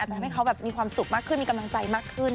ทำให้เขาแบบมีความสุขมากขึ้นมีกำลังใจมากขึ้น